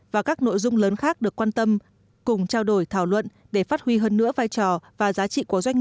và các nội dung lớn khác được quan tâm cùng trao đổi thảo luận để phát huy hơn nữa vai trò